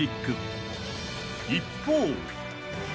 ［一方］